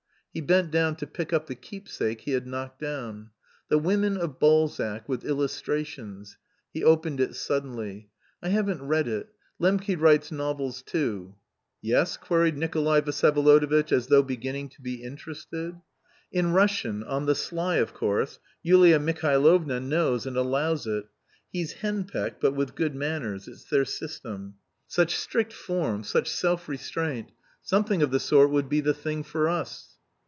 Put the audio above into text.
He bent down to pick up the "keepsake" he had knocked down. "'The Women of Balzac,' with illustrations." He opened it suddenly. "I haven't read it. Lembke writes novels too." "Yes?" queried Nikolay Vsyevolodovitch, as though beginning to be interested. "In Russian, on the sly, of course, Yulia Mihailovna knows and allows it. He's henpecked, but with good manners; it's their system. Such strict form such self restraint! Something of the sort would be the thing for us."